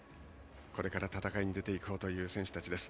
これから戦いに出て行こうという選手たちです。